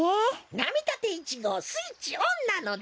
「なみたて１ごう」スイッチオンなのだ。